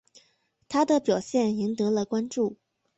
他的表现赢得了关注。